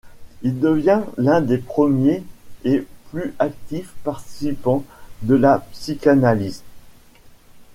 Il devient l'un des premiers et plus actifs partisans de la psychanalyse.